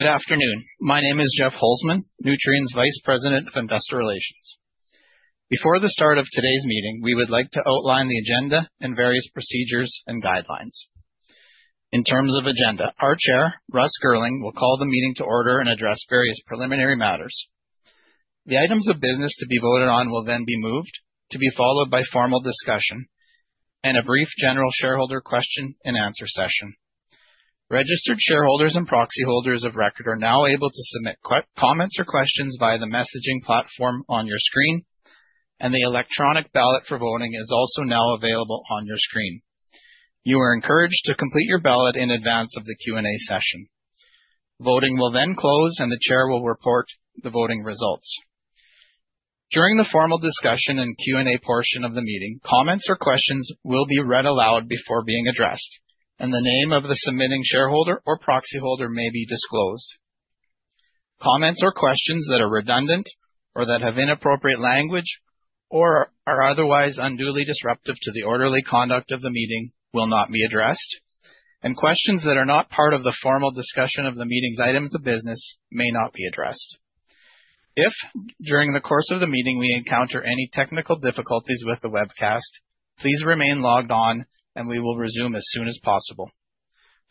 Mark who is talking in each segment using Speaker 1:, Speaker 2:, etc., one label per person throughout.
Speaker 1: Good afternoon. My name is Jeff Holzman, Nutrien's Vice President of Investor Relations. Before the start of today's meeting, we would like to outline the agenda and various procedures and guidelines. In terms of agenda, our Chair, Russ Girling, will call the meeting to order and address various preliminary matters. The items of business to be voted on will then be moved, to be followed by formal discussion and a brief general shareholder question-and-answer session. Registered shareholders and proxy holders of record are now able to submit comments or questions via the messaging platform on your screen, and the electronic ballot for voting is also now available on your screen. You are encouraged to complete your ballot in advance of the Q&A session. Voting will then close, and the Chair will report the voting results. During the formal discussion and Q&A portion of the meeting, comments or questions will be read aloud before being addressed, and the name of the submitting shareholder or proxy holder may be disclosed. Comments or questions that are redundant or that have inappropriate language or are otherwise unduly disruptive to the orderly conduct of the meeting will not be addressed, and questions that are not part of the formal discussion of the meeting's items of business may not be addressed. If during the course of the meeting we encounter any technical difficulties with the webcast, please remain logged on, and we will resume as soon as possible.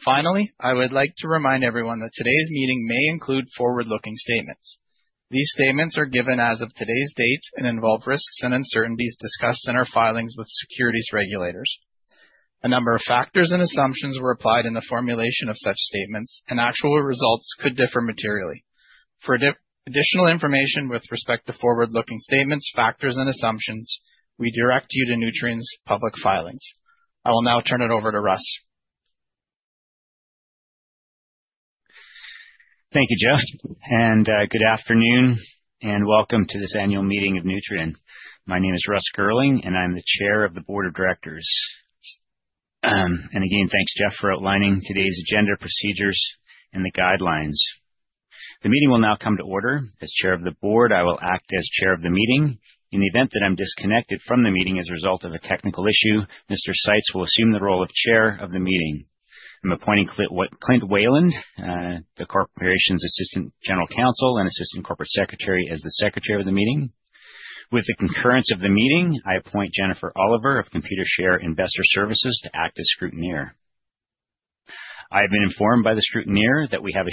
Speaker 1: Finally, I would like to remind everyone that today's meeting may include forward-looking statements. These statements are given as of today's date and involve risks and uncertainties discussed in our filings with securities regulators. A number of factors and assumptions were applied in the formulation of such statements, and actual results could differ materially. For additional information with respect to forward-looking statements, factors, and assumptions, we direct you to Nutrien's public filings. I will now turn it over to Russ.
Speaker 2: Thank you, Jeff, and good afternoon, and welcome to this annual meeting of Nutrien. My name is Russ Girling, and I'm the Chair of the Board of Directors, and again, thanks, Jeff, for outlining today's agenda, procedures, and the guidelines. The meeting will now come to order. As Chair of the Board, I will act as Chair of the meeting. In the event that I'm disconnected from the meeting as a result of a technical issue, Mr. Seitz will assume the role of Chair of the meeting. I'm appointing Clint Wayland, the Corporation's Assistant General Counsel and Assistant Corporate Secretary, as the Secretary of the meeting. With the concurrence of the meeting, I appoint Jennifer Oliver of Computershare Investor Services to act as scrutineer. I have been informed by the scrutineer that we have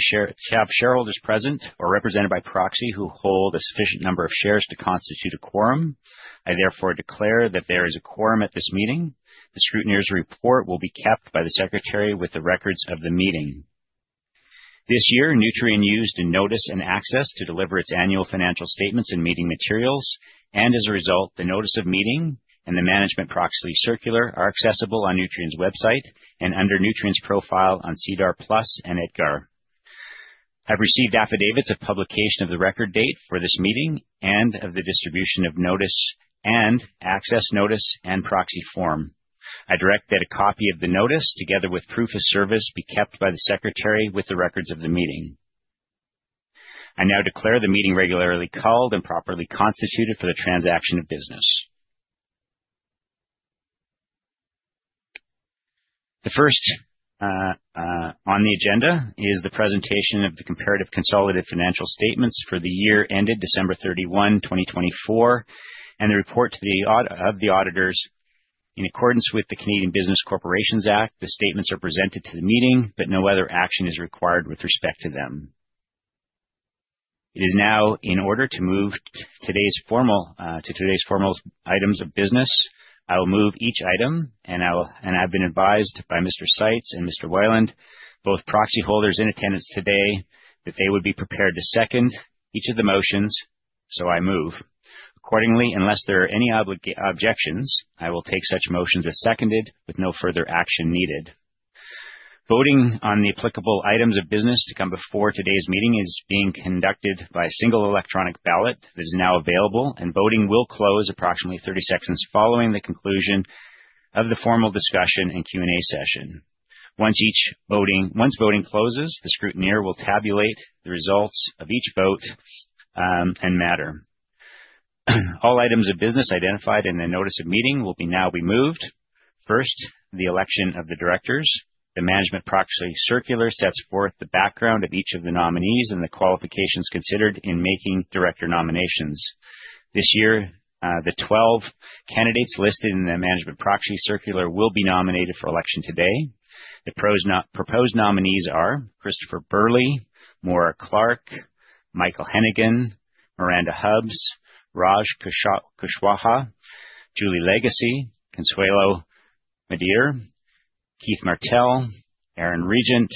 Speaker 2: shareholders present or represented by proxy who hold a sufficient number of shares to constitute a quorum. I therefore declare that there is a quorum at this meeting. The scrutineer's report will be kept by the Secretary with the records of the meeting. This year, Nutrien used a notice and access to deliver its annual financial statements and meeting materials, and as a result, the notice of meeting and the management proxy circular are accessible on Nutrien's website and under Nutrien's profile on SEDAR+ and EDGAR. I've received affidavits of publication of the record date for this meeting and of the distribution of notice and access notice and proxy form. I direct that a copy of the notice, together with proof of service, be kept by the Secretary with the records of the meeting. I now declare the meeting regularly called and properly constituted for the transaction of business. The first on the agenda is the presentation of the comparative consolidated financial statements for the year ended December 31, 2024, and the report of the auditors. In accordance with the Canadian Business Corporations Act, the statements are presented to the meeting, but no other action is required with respect to them. It is now in order to move today's formal items of business. I will move each item, and I've been advised by Mr. Seitz and Mr. Wayland, both proxy holders in attendance today, that they would be prepared to second each of the motions, so I move. Accordingly, unless there are any objections, I will take such motions as seconded with no further action needed. Voting on the applicable items of business to come before today's meeting is being conducted by a single electronic ballot that is now available, and voting will close approximately 30 seconds following the conclusion of the formal discussion and Q&A session. Once voting closes, the scrutineer will tabulate the results of each vote and matter. All items of business identified in the notice of meeting will be now removed. First, the election of the directors. The management proxy circular sets forth the background of each of the nominees and the qualifications considered in making director nominations. This year, the 12 candidates listed in the management proxy circular will be nominated for election today. The proposed nominees are Christopher Burley, Maura Clark, Michael Hennigan, Miranda Hubbs, Raj Kushwaha, Julie Lagacy, Consuelo Madere, Keith Martell, Aaron Regent,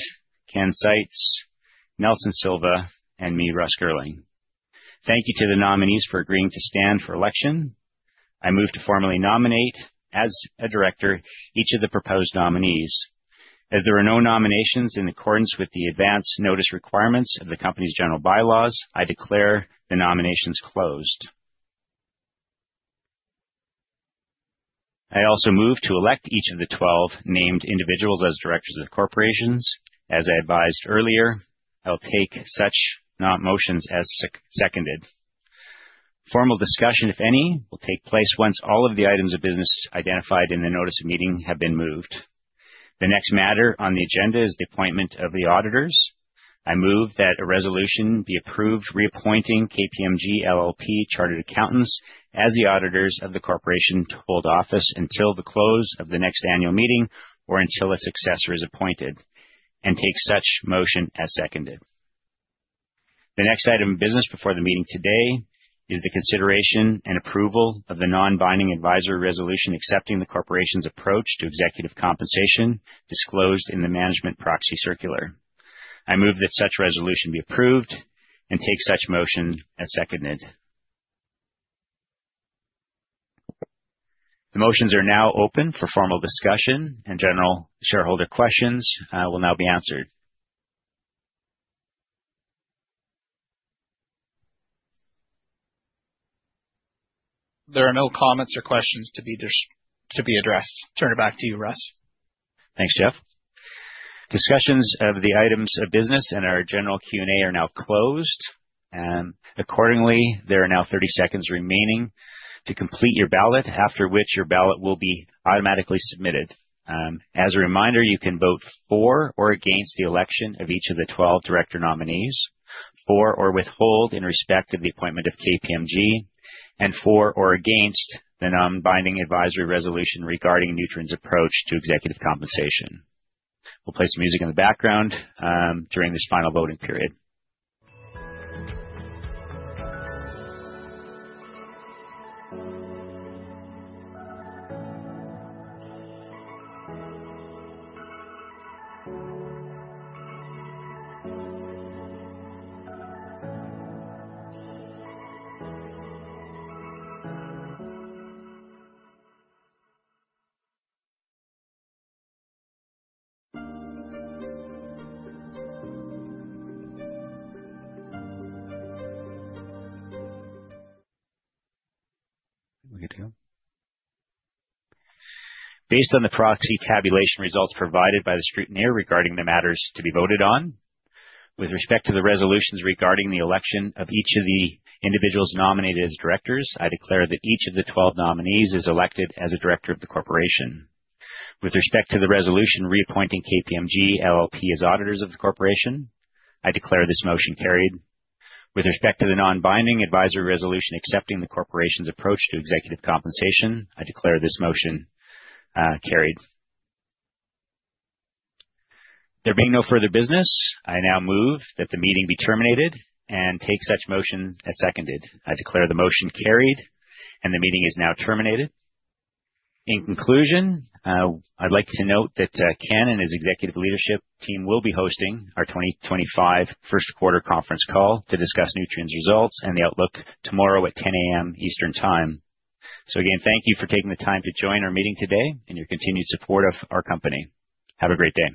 Speaker 2: Ken Seitz, Nelson Silva, and me, Russ Girling. Thank you to the nominees for agreeing to stand for election. I move to formally nominate as a director each of the proposed nominees. As there are no nominations in accordance with the advance notice requirements of the company's general bylaws, I declare the nominations closed. I also move to elect each of the 12 named individuals as directors of the corporation. As I advised earlier, I will take such motions as seconded. Formal discussion, if any, will take place once all of the items of business identified in the notice of meeting have been moved. The next matter on the agenda is the appointment of the auditors. I move that a resolution be approved reappointing KPMG LLP Chartered Accountants as the auditors of the corporation to hold office until the close of the next annual meeting or until its successor is appointed and take such motion as seconded. The next item of business before the meeting today is the consideration and approval of the non-binding advisory resolution accepting the corporation's approach to executive compensation disclosed in the management proxy circular. I move that such resolution be approved and take such motion as seconded. The motions are now open for formal discussion, and general shareholder questions will now be answered.
Speaker 1: There are no comments or questions to be addressed. Turn it back to you, Russ.
Speaker 2: Thanks, Jeff. Discussions of the items of business and our general Q&A are now closed. Accordingly, there are now 30 seconds remaining to complete your ballot, after which your ballot will be automatically submitted. As a reminder, you can vote for or against the election of each of the 12 director nominees, for or withhold in respect of the appointment of KPMG, and for or against the non-binding advisory resolution regarding Nutrien's approach to executive compensation. We'll play some music in the background during this final voting period. Based on the proxy tabulation results provided by the scrutineer regarding the matters to be voted on, with respect to the resolutions regarding the election of each of the individuals nominated as directors, I declare that each of the 12 nominees is elected as a director of the corporation. With respect to the resolution reappointing KPMG LLP as auditors of the corporation, I declare this motion carried. With respect to the non-binding advisory resolution accepting the corporation's approach to executive compensation, I declare this motion carried. There being no further business, I now move that the meeting be terminated and take such motion as seconded. I declare the motion carried, and the meeting is now terminated. In conclusion, I'd like to note that Ken and his executive leadership team will be hosting our 2025 first quarter conference call to discuss Nutrien's results and the outlook tomorrow at 10:00 A.M. Eastern Time, so again, thank you for taking the time to join our meeting today and your continued support of our company. Have a great day.